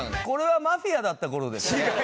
これはマフィアだった頃ですね。